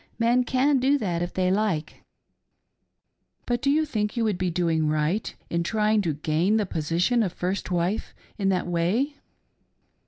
Men can do that if they like." " But do you think you would be doing right in trying to gain the position of first wife in that way